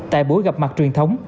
tại buổi gặp mặt truyền thống